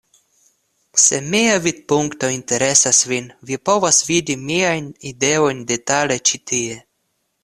Se mia vidpunkto interesas vin vi povas vidi miajn ideojn detale ĉi tie.